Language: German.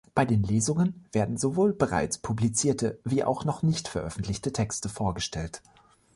Bei den Lesungen werden sowohl bereits publizierte, wie auch noch nicht veröffentlichte Texte vorgestellt.